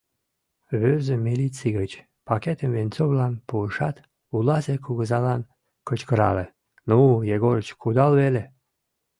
— Вӱрзым милиций гыч, — пакетым Венцовлан пуышат, улазе кугызалан кычкырале: — Ну, Егорыч, кудал веле.